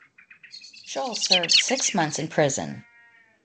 Scholl served six months in prison.